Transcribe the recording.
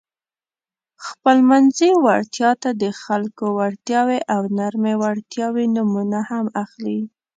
خپلمنځي وړتیا ته د خلکو وړتیاوې او نرمې وړتیاوې نومونه هم اخلي.